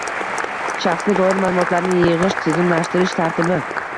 Shaxsga doir ma’lumotlarni yig‘ish, tizimlashtirish tartibi